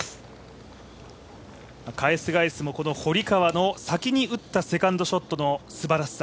返す返すも堀川の先に打ったセカンドショットのすばらしさ。